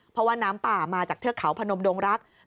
เพราะว่าน้ำป่ามาจากเทือกเขาพนมดงรัก